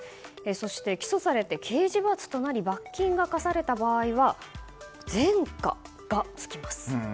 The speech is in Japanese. そして起訴されて、刑事罰となり罰金が科された場合は前科がつきます。